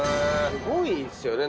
すごいっすよね。